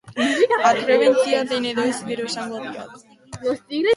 Atrebentzia den edo ez, gero esango diat.